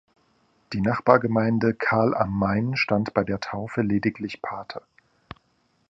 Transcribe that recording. Die Nachbargemeinde Kahl am Main stand bei der Taufe lediglich Pate.